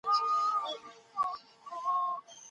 که خاوند او ميرمن سره موافق سول.